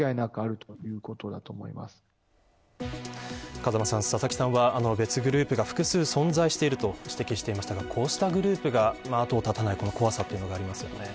風間さん、佐々木さんは別グループが複数存在していると指摘していましたがこうしたグループが後を絶たない怖さがありますよね。